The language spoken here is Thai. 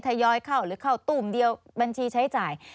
ยอยเข้าหรือเข้าตู้มเดียวบัญชีใช้จ่าย